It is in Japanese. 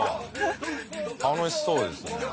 楽しそうですね。